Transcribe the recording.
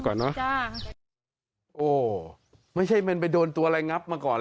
ก็เลยจะเก็บไว้ก่อน